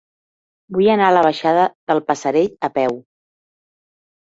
Vull anar a la baixada del Passerell a peu.